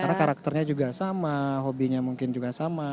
karena karakternya juga sama hobinya mungkin juga sama